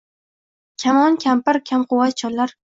Kamon — kampir, kamquvvat chollar.